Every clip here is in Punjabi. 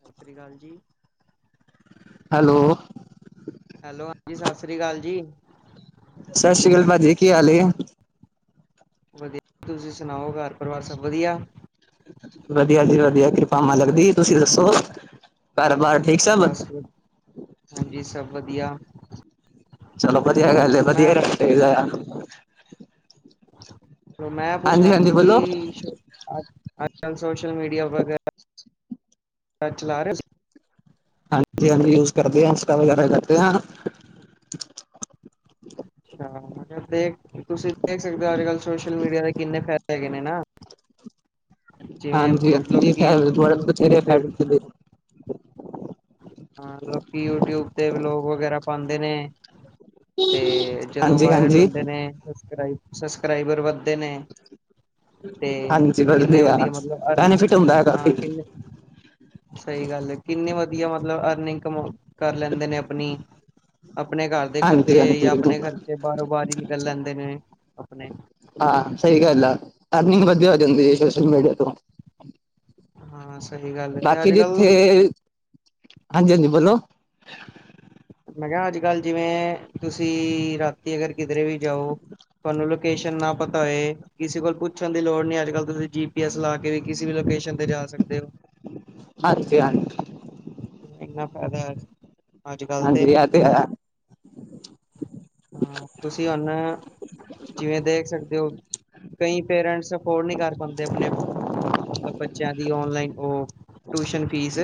ਸਤਿ ਸ੍ਰੀ ਅਕਾਲ ਜੀ ਹੈਲੋ ਹੈਲੋ ਹਾਂਜੀ ਸਤਿ ਸ਼੍ਰੀ ਅਕਾਲ ਜੀ ਸਤਿ ਸ੍ਰੀ ਅਕਾਲ ਭਾਜੀ ਕੀ ਹਾਲ ਏ ਵਧੀਆ ਤੁਸੀਂ ਸੁਣਾਓ ਘਰ ਪਰਿਵਾਰ ਸਭ ਵਧੀਆ ਵਧੀਆ ਜੀ ਵਧੀਆ ਕਿਰਪਾ ਮਾਲਕ ਦੀ ਤੁਸੀਂ ਦੱਸੋ ਘਰ ਬਾਰ ਠੀਕ ਸਭ ਜੀ ਸਭ ਵਧੀਆ ਚਲੋ ਵਧੀਆ ਗੱਲ ਏ ਹੋਰ ਮੈਂ ਵਧੀਆ ਪੁੱਛ ਰਸ ਮੈਂ ਪੁੱਛਣਾ ਹਾਂਜੀ ਹਾਂਜੀ ਸੀ ਕਿ ਬੋਲੋ ਅੱਜ ਕੱਲ੍ਹ ਸੋਸ਼ਲ ਮੀਡੀਆ ਵਗੈਰਾ [unintelligible] ਹਾਂਜੀ ਹਾਂਜੀ ਯੂਜ ਕਰਦੇ [unintelligible] ਵਗੈਰਾ ਕਰਦੇ ਹਨ ਅੱਛਾ ਮੈਂ ਕਿਹਾ ਦੇਖ ਤੁਸੀਂ ਦੇਖ ਸਕਦੇ ਹੋ ਅੱਜ-ਕੱਲ ਸੋਸ਼ਲ ਮੀਡੀਆ ਦੇ ਕਿੰਨੇ ਫਾਇਦੇ ਹੈਗੇ ਨੇ ਨਾ ਜਿਵੇਂ ਹਾਂਜੀ ਹਾਂਜੀ ਲੋਕੀ ਯੂਟਿਊਬ ਤੇ [unintelligible] ਹਾਂ ਲੋਕੀ ਯੂਟੀਊਬ ਤੇ ਲੋਕ ਵਗੈਰਾ ਪਾਉਂਦੇ ਨੇ ਤੇ ਜਦੋਂ ਹਾਂਜੀ ਵਾਇਰਲ ਹਾਂਜੀ ਹੁੰਦੇ ਨੇ ਸਸਕ੍ਰ ਸਬਸਕ੍ਰਾਈਬਰ ਵਧ ਨੇ ਤੇ ਹਾਂਜੀ ਕਿੰਨੇ ਵਧੀਆ ਮਤਲਬ ਅਰਨ ਬੈਨੀਫਿਟ ਹੁੰਦਾ ਹੈ ਕਾਫੀ ਹਾਂ ਕਿੰਨੇ ਸਹੀ ਗੱਲ ਹੈ ਕਿੰਨੀ ਵਧੀਆ ਮਤਲਬ ਅਰਨਿੰਗ ਕਮ ਕਰ ਲੈਂਦੇ ਨੇ ਆਪਣੀ ਆਪਣੇ ਘਰ ਦੇ ਹਾਂਜੀ ਖਰਚੇ ਜਾਂ ਹਾਂਜੀ ਆਪਣੇ ਖਰਚੇ ਬਾਹਰੋਂ ਬਾਰ ਹੀ ਨਿਕਲ ਲੈਂਦੇ ਨੇ ਆਪਣੇ ਸਹੀ ਗੱਲ ਆ ਆ ਜਾਂਦੀ ਸੋਸ਼ਲ ਮੀਡੀਆ ਤੋਂ ਹਾਂ ਸਹੀ ਗੱਲ ਹੈ ਤੇ ਬਾਕੀ ਅੱਜ ਕੱਲ ਜਿੱਥੇ ਹਾਂਜੀ ਹਾਂਜੀ ਬੋਲੋ ਹੈਗਾ ਅੱਜ ਕੱਲ ਜਿਵੇਂ ਤੁਸੀਂ ਰਾਤੀ ਅਗਰ ਕਿਧਰੇ ਵੀ ਜਾਓ ਤੁਹਾਨੂੰ ਲੋਕੇਸ਼ਨ ਨਾ ਪਤਾ ਹੈ ਕਿਸੇ ਕੋਲ ਪੁੱਛਣ ਦੀ ਲੋੜ ਨਹੀਂ ਅੱਜ ਕੱਲ ਤੁਸੀਂ ਜੀ ਪੀ ਐਸ ਲਾ ਕੇ ਵੀ ਕਿਸੇ ਵੀ ਲੋਕੇਸ਼ਨ 'ਤੇ ਜਾ ਸਕਦੇ ਹੋ ਹਾਂਜੀ ਹਾਂਜੀ ਨਾ ਫਾਇਦਾ ਹੋ ਹਾਂਜੀ ਆ ਤੇ ਹੈ ਹਾਂ ਤੁਸੀਂ ਹੁਣ ਜਿਵੇਂ ਦੇਖ ਸਕਦੇ ਹੋ ਕਈ ਪੇਰੈਂਟਸ ਅਫੋਰਡ ਨਹੀਂ ਕਰ ਪਾਉਂਦੇ ਆਪਣੇ ਮਤਲਬ ਬੱਚਿਆਂ ਦੀ ਔਨਲਾਈਨ ਉਹ ਟਿਸ਼ਨ ਫੀਸ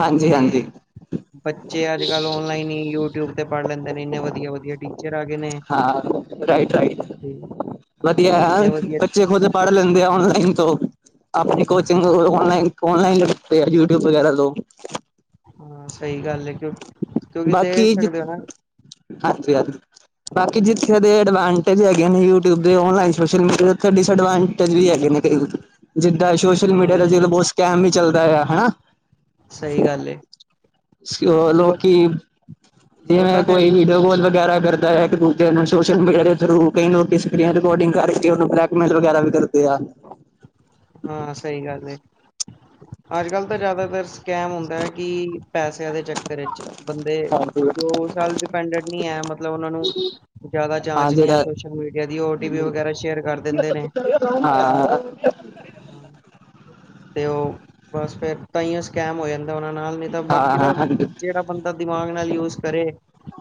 ਹਾਂਜੀ ਹਾਂਜੀ ਤੇ ਬੱਚੇ ਅੱਜ ਕੱਲ ਔਨਲਾਈਨ ਹੀ ਯੂਟਿਊਬ ਤੇ ਪੜ੍ਹ ਲੈਂਦੇ ਨੇ ਇੰਨੇ ਵਧੀਆ ਵਧੀਆ ਟੀ ਹਾਂ ਰਾਈਟ ਰਾਈਟ ਤੇ ਹਾਂ ਵਧੀਆ ਹੈ ਇੰਨੇ ਵਧੀਆ ਬੱਚੇ ਖੁੱਦ ਪੜ ਲੈਂਦੇ ਆ ਔਨਲਾਈਨ ਤੋਂ ਆਪਣੀ ਕੋਚਿੰਗ ਔਨਲਾਈਨ ਔਨਲਾਈਨ ਲ ਯੂਟੀਊਬ ਵਗੈਰਾ ਲੋਕ ਹਾਂ ਸਹੀ ਗੱਲ ਹੈ ਕਿਉਂ ਕਿਉਂਕਿ ਬਾਕੀ ਦੇਖ ਸਕਦੇ ਹੋ ਨਾ ਹਾਂਜੀ-ਹਾਂਜੀ ਬਾਕੀ ਜਿੱਥੇ ਦੇ ਐਡਵਾਂਟੇਜ ਹੈਗੇ ਨੇ ਯੂਟਿਊਬ ਦੇ ਔਨਲਾਈਨ ਸੋਸ਼ਲ ਮੀਡੀਆ ਦੇ ਉਥੇ ਡਿਸਐਡਵਾਂਟੇਜ ਵੀ ਹੈਗੇ ਨੇ ਜਿੱਦਾਂ ਸੋਸ਼ਲ ਮੀਡੀਆ ਹਾਂ ਦਾ ਜਦੋਂ ਬਹੁਤ ਸਕੈਮ ਵੀ ਚੱਲਦਾ ਆ ਹਨਾ ਸਹੀ ਗੱਲ ਏ ਉਹ ਲੋ ਲੋਕੀ ਉਹ ਜਿਵੇਂ ਤਾਂ ਫੇਰ ਕੋਈ ਵੀਡੀਓ ਕੋਲ ਵਗੈਰਾ ਕਰਦਾ ਹੈ ਇੱਕ ਦੂਜੇ ਨੂੰ ਸੋਸ਼ਲ ਮੀਡੀਆ ਦੇ ਥਰੂ ਕਈ ਨ ਰਕਾਰਡਿੰਗ ਕਰਕੇ ਉਹਨੂੰ ਬਲੈਕਮੇਲ ਵਗੈਰਾ ਵੀ ਕਰਦੇ ਆ ਹਾਂ ਸਹੀ ਗੱਲ ਏ ਅੱਜ ਕੱਲ ਤਾਂ ਜ਼ਿਆਦਾਤਰ ਕਹਿਮ ਹੁੰਦਾ ਹੈ ਕਿ ਪੈਸਿਆਂ ਦੇ ਚੱਕਰ ਵਿੱਚ ਬੰਦੇ ਹਾਂਜੀ ਜੋ ਉਸ ਸਾਲ ਡਿਪੈਂਡੈਂਟ ਨਹੀਂ ਹੈ ਮਤਲਬ ਉਹਨਾਂ ਨੂੰ ਜ਼ਿਆਦਾ ਹਾਂ ਜਾਂਚ ਨਹੀਂ ਹੈ ਜਿਹੜਾ ਸੋਸ਼ਲ ਮੀਡੀਆ ਦੀ ਓ ਟੀ ਪੀ ਵਗੈਰਾ ਸ਼ੇਅਰ ਕਰ ਦਿੰਦੇ ਨੇ ਹਾਂ ਤੇ ਉਹ ਬਸ ਫਿਰ ਤਾਂ ਸਕੈਮ ਹੋ ਜਾਂਦਾ ਉਹਨਾਂ ਨਾਲ ਨਹੀਂ ਤਾਂ ਹਾਂ ਬਾਕੀ ਤਾਂ ਹਾਂਜੀ ਜਿਹੜਾ ਬੰਦਾ ਦਿਮਾਗ ਨਾਲ ਯੂਜ ਕਰੇ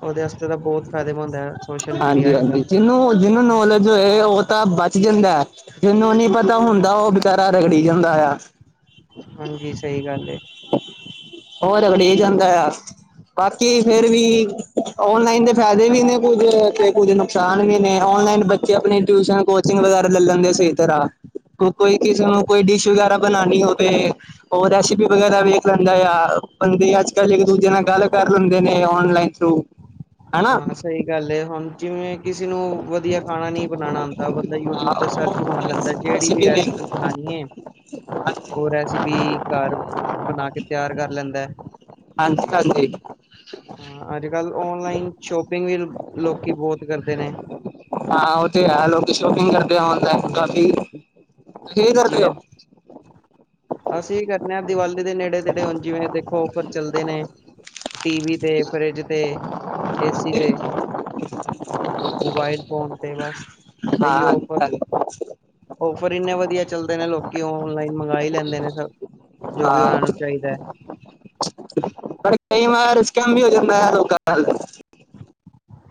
ਉਹਦੇ ਵਸਤੇ ਤਾਂ ਬਹੁਤ ਫਾਇਦੇ ਮੰਦ ਹੈ ਸੋਸ਼ਲ ਮੀਡੀਆ ਹਾਂਜੀ ਅੱਜ ਹਾਂਜੀ ਕੱਲ੍ਹ ਜਿਹਨੂੰ ਜਿਹਨੂੰ ਨੌਲੇਜ ਹੈ ਉਹ ਤਾਂ ਬਚ ਜਾਂਦਾ ਜਿਹਨੂੰ ਨੀ ਪਤਾ ਹੁੰਦਾ ਉਹ ਬਚਾਰਾ ਰਗੜੀ ਜਾਂਦਾ ਆ ਹਾਂਜੀ ਸਹੀ ਗੱਲ ਏ ਹੋਰ ਰਗੜੀ ਜਾਂਦਾ ਯਾਰ ਬਾਕੀ ਫਿਰ ਵੀ ਔਨਲਾਈਨ ਦੇ ਫਾਇਦੇ ਵੀ ਨੇ ਕੁੱਝ ਤੇ ਕੁੱਝ ਨੁਕਸਾਨ ਵੀ ਨੇ ਔਨਲਾਈਨ ਬੱਚੇ ਆਪਣੀ ਟਿਊਸ਼ਨ ਕੋਚਿੰਗ ਵਗੈਰਾ ਲੈ ਲੈਂਦੇ ਸਹੀ ਤਰ੍ਹਾਂ ਕੋਈ ਕਿਸੇ ਨੂੰ ਕੋਈ ਡਿਸ਼ ਵਗੈਰਾ ਬਣਾਉਣੀ ਹੋਵੇ ਉਹ ਰੈਸਪੀ ਵਗੈਰਾ ਵੇਖ ਲੈਂਦਾ ਆ ਬੰਦੇ ਅੱਜ ਕੱਲ ਇੱਕ ਦੂਜੇ ਨਾਲ ਗੱਲ ਕਰ ਲੈਂਦੇ ਨੇ ਔਨਲਾਈਨ ਥਰੂ ਹਨਾ ਹਾਂ ਸਹੀ ਗੱਲ ਏ ਹੁਣ ਜਿਵੇਂ ਕਿਸੇ ਨੂੰ ਵਧੀਆ ਖਾਣਾ ਨਹੀਂ ਬਣਾਉਣਾ ਆਉਂਦਾ ਬੰਦਾ ਯੂਟਿਊਬ ਤੇ ਸਰਚ ਮਾਰ ਲੈਂਦਾ ਜਿਹੜੀ ਅਸੀਂ ਵੀ ਦੇਖ ਰੈਸਪੀ ਬਣਾਉਣੀ ਹੈ ਹਾਂਜੀ [unintelligible] ਔ ਰੈਸਪੀ, ਘਰ ਬਣਾ ਕੇ ਤਿਆਰ ਕਰ ਲੈਂਦਾ ਹੈ। ਹਾਂਜੀ ਹਾਂ ਅੱਜ ਕੱਲ ਔਨਲਾਈਨ ਸ਼ੋਪਿੰਗ ਲੋਕੀ ਬਹੁਤ ਕਰਦੇ ਨੇ ਹਦਾ ਹਾਂ ਕਫੀ [inaudible] ਜਿਵੇਂ, ਅਸੀਂ ਕਰਨੇ ਆਂ ਦੀਵਾਲੀ ਕਿੜੇ ਤੇੜੇ, ਹੁਣ ਜਿਵੇਂ ਦੇਖੋ, ਉਪਰ ਚੱਲਦੇ ਨੇ ਟੀਵੀ ਤੇ, ਫਰਿੱਜ ਤੇ, ਏਸੀ ਤੇ ਮੋਬਾਈਲ ਫੋਨ ਤੇ ਬਸ, ਐਹੀਓ ਹਾਂ ਔਫਰ, ਔਫਰ ਇੰਨੇ ਵਧ ਵਧੀਆ ਚੱਲਦੇ ਨੇ, ਲੋਕੀ ਔਨਲਾਈਨ ਮੰਗਵਾ ਹੀ ਲੈਂਦੇ ਨੇ ਸਬ, ਜੋ ਵੀ ਉਹਨਾਂ ਹਾਂ ਨੂੰ ਚਾਹੀਦਾ ਹੈ। ਰੁਸ ਕੇ ਐ ਵੀ ਹੋ ਜਾਂਦਾ ਐ, ਲੋਕਾਂ ਨਾਲ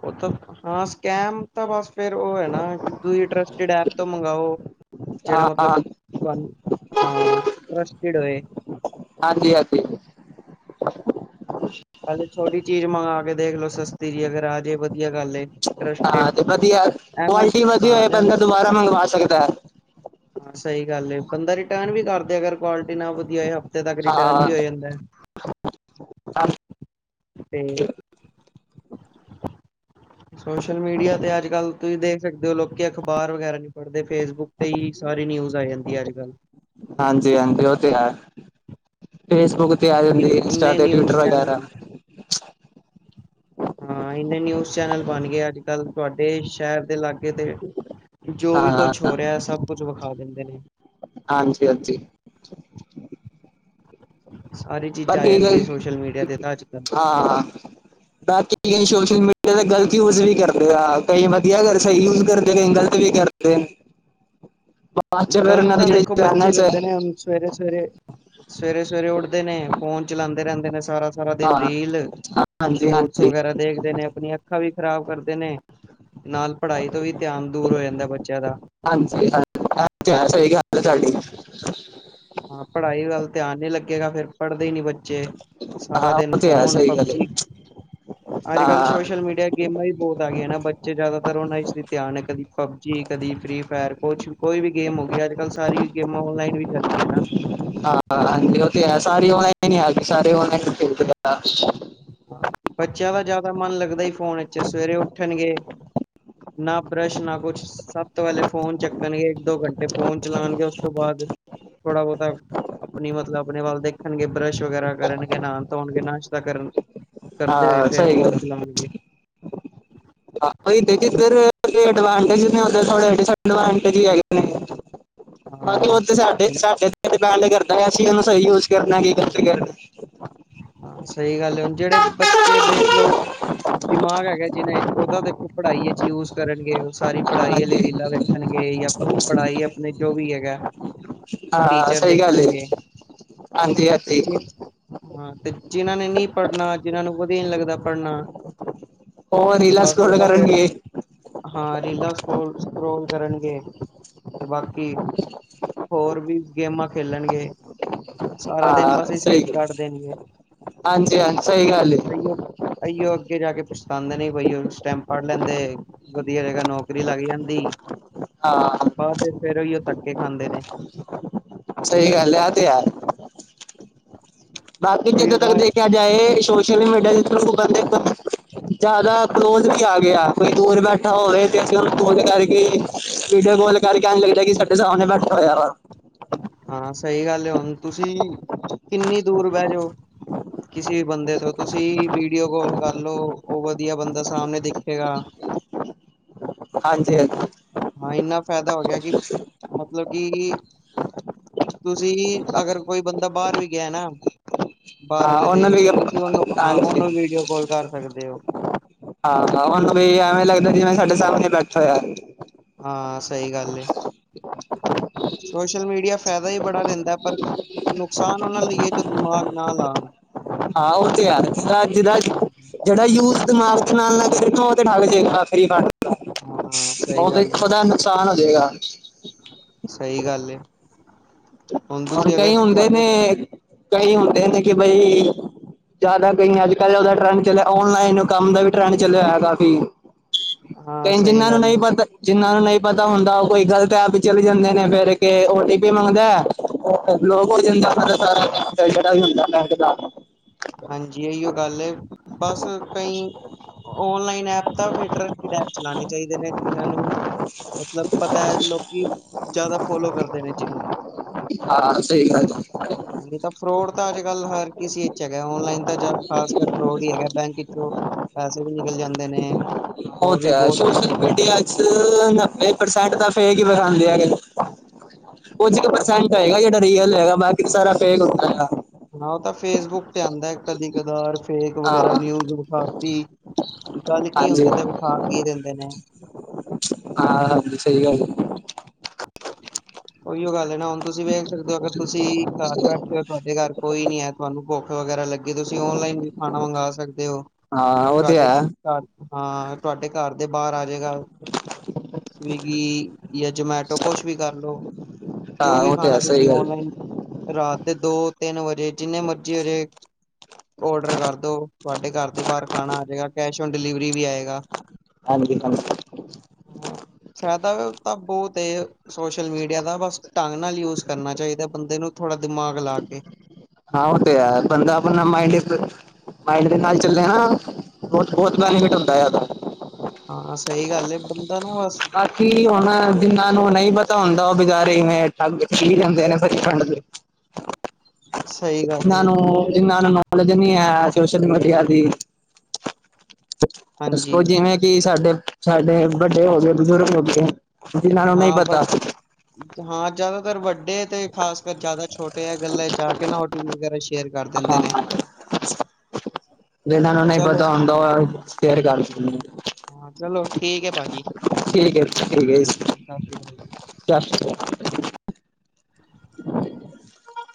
ਔ ਤਾਂ, ਹਾਂ ਸਕੈਮ ਤਾਂ, ਬਸ ਫੇਰ ਉਹ ਹੈ ਨਾ, ਕੀ ਤੁ ਇੰਟਰੇਸਟਿਡ ਐਪ, ਤੋਂ ਮੰਗਵਾਓ। ਜਿਹੜਾ ਹਾਂ ਮਤਲਬ, ਹਾਂਜੀ ਤੁਹਾਨੂੰ ਹਾ, ਤਰਸਟਿਡ ਹੋਏ। ਹਾਂਜੀ ਹਾਂਜੀ ਪਹਿਲੇ ਛੋਟੀ ਚੀਜ਼ ਮੰਗਾ ਕੇ ਦੇਖ ਲੋ, ਸਸਤੀ ਜੀ, ਅਗਰ ਆ ਜਾਏ ਹਾਂ ਤੇ ਵਧੀਆ, ਐਮਾ ਕੁਆਲਿਟੀ ਵਧੀਆ ਹਾਂ ਹੋਏ, ਐਮ ਬੰਦਾ ਦੁਬਾਰਾ ਮੰਗਵਾ ਸਕਦਾ ਐ। ਹਾਂ ਸਹੀ ਗੱਲ ਏ, ਬੰਦਾ ਰਿਟਰਨ ਵੀ ਕਰਦੇ, ਅਗਰ ਕੁਆਲਿਟੀ ਨਾ ਵਧੀਆ ਇਥੇ ਤੱਕ ਰਿਟਰਨ ਹਾਂ ਵੀ ਹੋ ਜਾਂਦਾ। ਤੇ ਅ [unintelligible] ਸੋਸ਼ਲ ਮੀਡੀਆ ਤੇ ਅੱਜ ਕੱਲ ਤੁਸੀਂ ਦੇਖ ਸਕਦੇ ਹੋ, ਲੋਕੀ ਅਖ਼ਬਾਰ ਵਗੈਰਾ ਨੀ ਪੜਦੇ ਫੇਸਬੁੱਕ ਤੇ ਹੀ ਸਾਰੀ ਨਿਊਜ਼ ਆ ਜਾਂਦੀ ਹੈ ਅੱਜ ਕੱਲ੍ਹ ਹਾਂਜੀ ਹਾਂਜੀ ਉਹ ਤੇ ਹੈ, ਫੇਸਬੁੱਕ ਤੇ ਆ ਜਾਂਦੀ ਇੰਸਟਾ ਇੰਨੇ ਤੇ, ਟਵਿਟਰ ਨਿਊਜ਼ ਚੈਨਲ ਵਗੈਰਾ। ਹਾਂ ਇੰਨੇ ਨਿਊਜ਼ ਚੈਨਲ ਬਣ ਗਏ ਅੱਜ ਕੱਲ੍ਹ ਤੁਹਾਡੇ ਸ਼ਹਿਰ ਦੇ ਲਾਗੇ ਤੇ, ਜੋ ਵੀ ਕੁਛ ਹਾਂ ਹੋ ਰਿਹਾ, ਸਭ ਕੁਛ ਵਿਖਾ ਦਿੰਦੇ ਨੇ। ਹਾਂਜੀ ਹਾਂਜੀ ਚ [unintelligible] ਸਾਰੀ ਚੀਜ਼ਾਂ ਆ ਬਾਕੀ ਜਾਂਦੀ ਗਲ ਹੈ ਕੀ, ਸੋਸ਼ਲ ਮੀਡੀਆ ਤੇ ਤਾਂ ਅੱਜ ਕੱਲ੍ਹ ਹਾਂ, ਬਾਕੀ ਸੋਸ਼ਲ ਮੀਡੀਆ ਕ ਗ਼ਲਤ ਯੂਜ ਵੀ ਕਰਦੇ ਆ, ਕਹੀ ਵਧੀਆ ਅਗਰ ਸਹੀ ਯੂਜ ਕਰਦੇ ਨੇ, ਗ਼ਲਤ ਵੀ ਕਰਦੇ ਨੇ। [unintelligible] ਗ਼ਲਤ ਤਾਂ ਦੇਖੋ ਬੱਚੇ ਹੈ ਕਰਦੇ ਨੇ, ਹੁਣ ਸਵੇਰੇ ਸਵੇਰੇ ਸਵੇਰੇ ਸਵੇਰੇ ਉੱਠਦੇ ਨੇ, ਫੋਨ ਚਲਾਉਂਦੇ ਰਹਿੰਦੇ ਨੇ ਸਾਰਾ ਦਿਨ। ਸਾਰਾ ਦਿਨ ਹਾਂ ਰੀਲ, ਹਾਂਜੀ ਸ਼ੋਰਟਸ ਹਾਂਜੀ ਵਗੈਰਾ ਦੇਖਦੇ ਨੇ, ਆਪਣੀਆਂ ਅੱਖਾਂ ਵੀ ਖ਼ਰਾਬ ਕਰਦੇ ਨੇ। ਨਾਲ ਪੜ੍ਹਾਈ ਤੋਂ ਵੀ ਧਿਆਨ ਦੂਰ ਹੋ ਜਾਂਦਾ, ਬੱਚਿਆਂ ਦਾ। ਹਾਂਜੀ ਹਾਂ ਇਹ ਤੇ ਹਾ, ਸਹੀ ਗਲ ਹੈ, ਤੁਹਾਡੀ। ਹਾਂ ਪੜ੍ਹਾਈ ਵੱਲ ਧਿਆਨ ਨੀ ਲੱਗੇਗਾ, ਫੇਰ ਪੜ੍ਹਦੇ ਹੀ ਨਹੀ ਬੱਚੇ। ਬੱਚੇ, ਸਾਰਾ ਹਾਂ ਦਿਨ ਉਹ ਤੇ ਹੈ ਫੋਨ ਸਹੀ ਗੱਲ ਪਬਜੀ ਹੈ ਅੱਜ ਕੱਲ੍ਹ ਹਾਂ ਸੋਸ਼ਲ ਮੀਡੀਆ ਗੇਮਾਂ ਵੀ ਬਹੁਤ ਆ ਗਈਆਂ ਨਾ, ਬੱਚੇ ਜ਼ਿਆਦਾਤਰ ਉਹਨਾ ਇਚ ਵੀ ਧਿਆਨ ਹੈ, ਕਦੀ ਪਬਜੀ, ਕਦੀ ਫ੍ਰੀ ਫਾਇਰ, ਕੁਛ, ਕੋਈ ਵੀ ਗੇਮ ਹੋ ਗਈ, ਅੱਜ ਕੱਲ ਸਾਰੀ ਗੇਮਾਂ ਔਨਲਾਈਨ ਵੀ ਚੱਲ ਗਈਆਂ ਨਾ। ਹਾਂ ਹਾਂ ਉਹ ਤੇ ਹੈ, ਸਾਰੀ ਔਨਾ ਨੇ ਲਿਆਣੀ, ਸਾਰੀ ਔਨਾ ਬੱਚਿਆਂ ਦਾ ਜ਼ਿਆਦਾ ਮਨ ਲੱਗਦਾ ਹੀ ਫੋਨ ਵਿਚ ਏ, ਸਵੇਰੇ ਉੱਠਣਗੇ ਨਾ ਬਰੱਸ਼, ਨਾ ਕੁਛ, ਸਭ ਤੋਂ ਪਹਿਲੇ ਫੋਨ ਚੱਕਣਗੇ, ਇੱਕ ਦੋ ਘੰਟੇ ਫੋਨ ਚਲਾਉਣਗੇ, ਉਸ ਤੋਂ ਬਾਅਦ ਥੋੜਾ ਬਹੁਤਾ, ਆਪਣੀ ਮਤਲਬ ਆਪਣੇ ਵੱਲ ਦੇਖਣਗੇ, ਬਰੱਸ਼ ਵਗੈਰਾ ਕਰਨਗੇ, ਨਹਾਉਣ ਧੋਣਗੇ, ਨਾਸ਼ਤਾ ਕਰਨ ਕਰਦੇ ਹੋਏ, ਹਾਂ ਫੇਰ ਸਹੀ ਫੋਨ ਚਲਾਉਣਗੇ। ਹ ਚ ਇਧਰਵ ਨੇ [inaudible] ਕਾਫੀ ਹਾਂ, ਉਹ ਤੇ ਸਾਡੇ, ਸਾਡੇੇ ਪੈ ਨਾਲ ਦੇ ਘਰ। ਐ ਅਸੀ ਔਨੂੰ ਸਹੀ ਯੂਜ ਕਰਨਾ, ਠੀਕ ਹੈ ਜਿੰਧਰ ਵੀ। ਹਾਂ ਸਹੀ ਗੱਲ ਹੈ, ਹੁਣ ਜਿਹੜੇ ਬੱਚੇ ਦੇਖ ਲੋ, ਦਿਮਾਗ ਹੈਗਾ ਜਿਨਾ ਚ, ਔ ਉਹ ਦੇਖੋ ਪੜ੍ਹਾਈ ਵਿੱਚ ਯੂਜ ਕਰਨਗੇ ਉਹ ਸਾਰੀ ਪੜ੍ਹਾਈ ਵਾਲੀ ਰੀਲਾਂ ਵੇਖਣਗੇ ਜਾਂ ਪੜ੍ਹਾਈ ਆਪਣੇ ਜੋ ਉਹ ਵੀ ਹੈਗਾ। ਹਾਂ ਟੀਚਰ ਸਹੀ ਗੱਲ, ਦੇਖਣਗੇ ਤੇ ਹਾਂਜੀ-ਹਾਂਜੀ। ਜੇ ਹਾਂ ਤੇ ਜਿਨਾਂ ਨੇ ਨਹੀਂ ਪੜ੍ਹਨਾ ਜਿਨਾਂ ਨੂੰ ਵਧੀਆ ਨਹੀਂ ਲੱਗਦਾ ਪੜ੍ਹਨਾ, ਹੋ ਰਿਲਾਕਸ ਬਸ ਉਹ ਪੀਰੲਿਡ ਤਾਂ ਕਰਨ ਫੇਰ ਗੇ। ਹਾਂ ਰੀਲਾਂ ਸਕੋ ਸਕਰੋਲ ਕਰਨਗੇ ਤੇ ਬਾਕੀ। ਹੋਰ ਵੀ ਗੇਮਾਂ ਖੇਲਣਗੇ ਸਾਰਾ ਦਿਨ ਬਸ ਹੀ ਸੇਠ ਕੱਢ ਦੇਣਗੇ ਹਾਂਜੀ ਹਾਂ ਸਹੀ ਗੱਲ ਏ। ਅਈਓ ਅਈਓ ਅੱਗੇ ਜਾ ਕੇ ਪਛਤਾਉਂਦੇ ਨੇ ਬਈ ਉਹ ਸਟੈਂਪ ਪੜ੍ਹ ਲੈਂਦੇ ਵਧੀਆ ਜਗ੍ਹਾ ਨੌਕਰੀ ਲੱਗ ਜਾਂਦੀ। ਹਾਂ। ਫਿਰ ਉਹੀ ਉਹ ਧੱਕੇ ਖਾਂਦੇ ਨੇ। ਸਹੀ ਗੱਲ ਹੈ ਇਹ ਤੇ ਯਾਰ। ਬਾਕੀ ਉਹੀਓ ਜਿੱਦੋਂ ਤੱਕ ਤਾਂ ਦੇਖਿਆ ਜਾਏ ਸੋਸ਼ਲ ਮੀਡੀਆ [unintelligible] ਦੇਖ ਜ਼ਿਆਦਾ ਕਲੋਜ ਵੀ ਆ। ਗਿਆ ਕੋਈ ਦੂਰ ਬੈਠਾ ਹੋਵੇ ਤੇ ਅਸੀਂ ਉਹਨੂੰ ਗੋਲ ਕਰਕੇ ਪੀਡ ਗੋਲ ਕਰਕੇ ਆਉਣ ਲੱਗਿਆ ਕਿ ਸਾਡੇ ਸਾਬਣੇ ਨਾ ਖ [unintelligible] ਹਾਂ ਸਹੀ ਗੱਲ ਹੈ ਹੁਣ ਤੁਸੀਂ ਕਿੰਨੀ ਦੂਰ ਬਹਿ ਜਾਓ ਕਿਸੇ ਵੀ ਬੰਦੇ ਤੋਂ ਤੁਸੀਂ ਵੀਡੀਓ ਕਾਲ ਕਰਲਓ ਉਹ ਵਧੀਆ ਬੰਦਾ ਸਾਹਮਣੇ ਦੇਖੇਗਾ। ਹਾਂਜੀ ਹਾਂਜੀ। ਹਾਂ ਇੰਨਾ ਫਾਇਦਾ ਹੋ ਗਿਆ ਕਿ ਮਤਲਬ ਕਿ ਤੁਸੀਂ ਅਗਰ ਕੋਈ ਬੰਦਾ ਬਾਹਰ ਵੀ ਗਿਆ ਨਾ। ਹਾਂ ਬਾਹਰਲੇ ਉਹਨੂੰ ਦੇਸ਼ ਵੀ ਤੁਸੀਂ ਉਹਨੂੰ ਹਾਂ ਹਾਂਜੀ ਉਹਨੂੰ ਵੀਡੀਓ ਕਾਲ ਕਰ ਸਕਦੇ ਹੋ। ਆਹੋ ਉਹਨੂੰ ਵੀ ਐਵੇਂ ਲੱਗਦਾ ਜਿਵੇਂ ਸਾਡੇ ਸਾਹਮਣੇ ਬੈਠਾ। ਹਾਂ ਸਹੀ ਗੱਲ ਏ, ਸੋਸ਼ਲ ਮੀਡੀਆ ਫਾਇਦਾ ਹੀ ਬੜਾ ਦੇਂਦਾ ਪਰ ਨੁਕਸਾਨ ਔਨਾਂ ਲਈ ਹੈ, ਜੋ ਦਿਮਾਗ ਨਾਲ ਲਾਣ ਹਾਂ, ਉਹ ਤੇ ਯਾਰ ਜ ਜਿਹਾ ਜਿਹੜਾ ਯੂ ਦਿਮਾਗ ਦੇ ਨਾਲ ਨਾਲ ਫਿਰ ਉਹ ਤੇ ਠੱਗ ਜੇ ਹਾਂ [unintelligible] ਸਹੀ ਉਹਦੇ ਗੱਲ ਏ ਦਾ ਨੁਕਸਾਨ ਗਿਆ। ਸਹੀ ਗੱਲ ਏ। ਹੁਣ ਤੁਸੀਂ ਕਈ ਅਗਰ ਹੁੰਦੇ ਤੁਹਾਡੇ ਨੇ ਕਈ ਹੁੰਦੇ ਨੇ ਕਿ ਬਈ ਜ਼ਿਆਦਾ ਕਈ ਅੱਜ ਕੱਲ੍ਹ ਉਹਦਾ ਟਰੈਂਡ ਚੱਲਿਆ ਆਨਲਾਈਨ ਕੰਮ ਦਾ ਵੀ ਟਰੈਂਡ ਚੱਲਿਆ ਹੋਇਆ ਕਾਫੀ। ਹਾਂ ਤੇ ਸਹੀ ਜਿੰਨਾ ਨੂੰ ਗੱਲ ਨਹੀਂ ਏ ਪਤਾ ਜਿੰਨਾ ਨੂੰ ਨਹੀਂ ਪਤਾ ਹੁੰਦਾ ਕੋਈ ਗ਼ਲਤ ਐਪ ਹੀ ਚਲੇ ਜਾਂਦੇ ਨੇ ਫੇਰ ਕੇ ਓ ਟੀ ਪੀ ਮੰਗਦਾ। [unintelligible] ਹਾਂਜੀ ਇਹੀਓ ਗੱਲ ਹੈ ਬਸ ਕਈ ਆਨਲਾਈਨ ਐਪ [unintelligible] ਡੈ ਚਲਾਉਣੇ ਚਾਹੀਦੇ ਨੇ ਜਿਨਾਂ ਨੂੰ ਮਤਲਬ ਪਤਾ ਹੈ ਲੋਕੀ ਜ਼ਿਆਦਾ ਫੋਲੋ ਕਰਦੇ ਨੇ ਜਿਹਨੂੰ ਹਾਂ ਸਹੀ ਗੱਲ। ਹਾਂ ਨਹੀਂ ਤਾਂ ਫਰੋਡ ਤਾਂ ਅੱਜ ਕੱਲ੍ਹ ਹਰ ਕਿਸੇ ਹੈਗਾ ਆਨਲਾਈਨ ਤਾਂ ਟਰੈਂਸਬਫਰ ਫਰੋਡ ਹੀ ਹੈਗਾ ਬੈਂਕ ਵਿੱਚੋਂ ਪੈਸੇ ਵੀ ਨਿਕਲ ਜਾਂਦੇ ਨੇ। ਉਹ ਹੋਰ ਵੀ ਤੇ ਬਹੁਤ ਕੁਛ ਸੋਸ਼ਲ ਹੈਗਾ ਮੀਡੀਆ ਚ ਨੱਬੇ ਪ੍ਰਸੈਂਟ ਦਾ [unintelligible] ਕੁਝ ਕ ਪਸੰਦ ਹੈਗਾ ਜਿਹੜਾ ਰੀਅਲ ਹੈਗਾ ਬਾਕੀ ਸਾਰਾ ਪੇ ਕਰ ਹੈਗਾ। ਹਾਂ ਉਹ ਤਾਂ ਫੇਸਬੁੱਕ ਤੇ ਆਉਂਦਾ ਕਦੀ ਕਦਾਰ ਫੇਕ ਹਾਂ ਵਗੈਰਾ ਨਿਊਜ਼ ਵਿਖਾਤੀ ਗੱਲ ਕੀ ਹਾਂਜੀ ਹੁੰਦੀ ਤੇ ਹਾਂ ਵਿਖਾਅ ਕੀ ਦਿੰਦੇ ਨੇ। ਹਾਂ ਸਹੀ ਗੱਲ ਉਹੀਓ ਗੱਲ ਨਾ ਹੁਣ ਤੁਸੀਂ ਵੇਖ ਸਕਦੇ ਹੋ ਅਗਰ ਤੁਸੀਂ ਘਰ ਬੈਠੇ ਹੋ ਤੁਹਾਡੇ ਘਰ ਕੋਈ ਨੀ ਹੈ ਤੁਹਾਨੂੰ ਭੁੱਖ ਵਗੈਰਾ ਲੱਗੇ ਤੁਸੀਂ ਆਨਲਾਈਨ ਵੀ ਖਾਣਾ ਮੰਗਵਾ ਸਕਦੇ ਹੋ। ਹਾਂ ਉਹ ਤੋ ਤੁਹਾਡੇ ਹੈ। ਘਰ ਹਾਂ ਤੁਹਾਡੇ ਘਰ ਦੇ ਬਾਹਰ ਆ ਜਾਏਗਾ ਸਵੀਗੀ ਜਾਂ ਜਮੈਟੋ? ਕੁਛ ਵੀ ਕਰਲਓ ਜੋ ਹਾਂ ਵੀ ਉਹ ਤੇ ਖਾਣਾ ਹੈ ਸਹੀ ਤੁਸੀਂ ਗੱਲ ਓਨਲਾਈਨ ਰਾ ਦੋ ਤਿੰਨ ਵਜੇ ਜਿੰਨੇ ਮਰਜ਼ੀ ਹਜੇ ਔਡਰ ਕਰਦੋ ਤੁਹਾਡੇ ਘਰ ਦੇ ਬਾਹਰ ਖਾਣਾ ਆ ਜਾਏਗਾ ਕੈਸ਼ ਓਨ ਡਿਲੀਵਰੀ ਵੀ ਆਏਗਾ। ਹਾਂਜੀ ਹਾਂਜੀ। ਹ ਫਾਇਦਾ ਵੀ ਤਾਂ ਬਹੁਤ ਤੇ ਸੋਸ਼ਲ ਮੀਡੀਆ ਦਾ ਬਸ ਢੰਗ ਨਾਲ ਯੂਜ ਕਰਨਾ ਚਾਹੀਦਾ ਬੰਦੇ ਨੂੰ ਥੋੜ੍ਹਾ ਦਿਮਾਗ ਲਾ ਕੇ ਹਾਂ ਉਹ ਤੇ ਆਪਾਂ ਮਾਈਡ ਦੇ ਨਾਲ ਚੱਲੇ ਨਾ ਬ ਬਹੁਤ ਬੈਨੀਫਿਟ ਹੁੰਦਾ ਹੈ ਉਹਦਾ ਹਾਂ ਸਹੀ ਗੱਲ ਹੈ ਬੰ ਬਾਕੀ ਹੁਣ ਜਿੰਨਾਂ ਨੂੰ ਨਹੀਂ ਪਤਾ ਹੁੰਦਾ ਉਹ ਬਚਾਰੇ- [inaudible] ਸਹੀ ਗੱਲ ਇਹਨਾਂ ਏ ਨੂੰ ਜਿਹੜੇ ਇਹਨਾਂ ਨੂੰ ਨੌਲੇਜ ਨੀ ਹੈ ਸੋਸ਼ਲ ਮੀਡੀਆ ਦੀ। ਹਾਂਜੀ ਦੱਸੋ ਜਿਵੇਂ ਕਿ ਸਾਡੇ ਸਾਡੇ ਵੱਡੇ ਹੋ ਗਏ ਬਜ਼ੁਰਗ ਹੋ ਗਏ। ਜਿਨਾਂ ਨੂੰ ਨਹੀਂ ਹਾਂ ਵ ਪਤਾ ਹਾਂ ਜ਼ਿਆਦਾਤਰ ਵੱ ਵੇ ਤੇ ਖਾਸ ਕਰ ਜ਼ਿਆਦਾ ਛੋਟੇ ਆ ਗੱਲਾਂ ਜਾ ਕੇ ਨਾ ਹੋਟਲ ਵਗੈਰਾ। ਸ਼ੇਅਰ ਕਰ ਦਿੰਦੇ ਹਾਂ। [inaudible] ਨੇ ਚਲੋ ਹਾਂ ਚਲੋ ਠੀਕ ਹੈ ਭਾਜੀ ਠੀਕ ਏ ਠੀਕ ਜ। ਠੀਕ ਸਤਿ ਸ਼੍ਰੀ ਅਕਾਲ ਜੀ [inaudible]